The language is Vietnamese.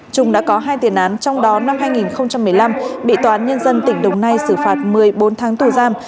trung đã có hai tiền án trong đó năm hai nghìn một mươi năm bị toán nhân dân tỉnh đồng nai xử phạt một mươi bốn tháng tù giam